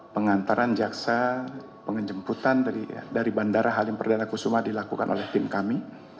pengantaran jaksa penjemputan dari bandara halim perdana kusuma dilakukan oleh tim kami